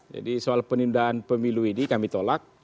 jadi soal penindahan pemilu ini kami tolak